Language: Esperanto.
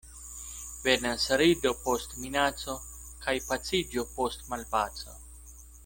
Venas rido post minaco, kaj paciĝo post malpaco.